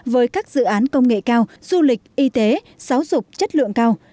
với các dự án công nghệ cao du lịch y tế giáo dục chất lượng cao